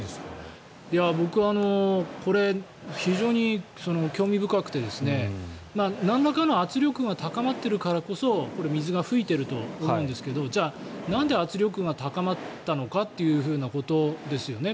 僕、これ非常に興味深くてなんらかの圧力が高まっているからこそこれ、水が噴いていると思うんですけどじゃあ、なんで圧力が高まったのかということですよね